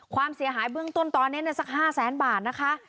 ความเสียหายเบื้องต้นตอนนี้เนื้อสัก๕๐๐๐๐๐บาทนะคะ